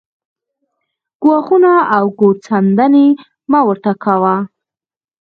ګواښونه او ګوت څنډنې مه ورته کاوه